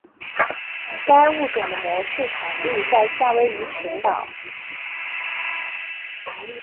该物种的模式产地在夏威夷群岛。